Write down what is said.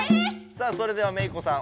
さあそれではメイ子さん